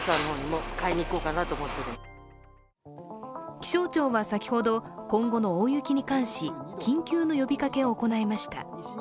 気象庁は先ほど今後の大雪に関し緊急の呼びかけを行いました。